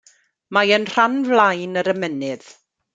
Mae yn rhan flaen yr ymennydd.